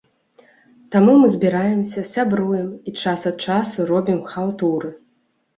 Таму мы збіраемся, сябруем, і час ад часу робім хаўтуры.